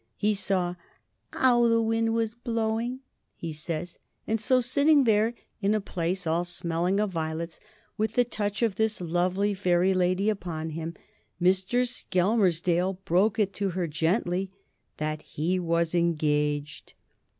He saw "'ow the wind was blowing," he says, and so, sitting there in a place all smelling of violets, with the touch of this lovely Fairy Lady about him, Mr. Skelmersdale broke it to her gently that he was engaged!